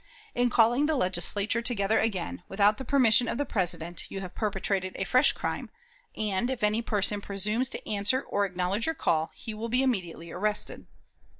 In calling the Legislature together again, without the permission of the President, you have perpetrated a fresh crime; and, if any person presumes to answer or acknowledge your call, he will be immediately arrested."